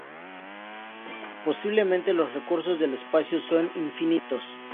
Posiblemente los recursos del espacio son infinitos.